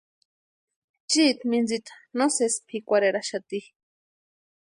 Chiiti mintsita no sési pʼikwarheraxati.